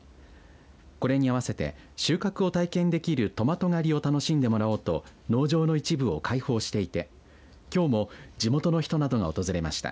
これに合わせて収穫を体験できるトマト狩りを楽しんでもらおうと農場の一部を開放していてきょうも地元の人などが訪れました。